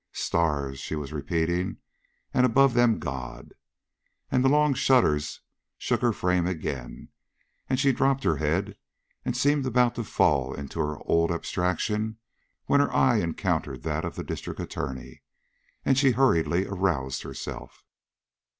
"Stars!" she was repeating; "and above them God!" And the long shudders shook her frame again, and she dropped her head and seemed about to fall into her old abstraction when her eye encountered that of the District Attorney, and she hurriedly aroused herself.